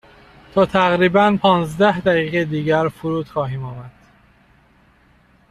تا تقریبا پانزده دقیقه دیگر فرود خواهیم آمد.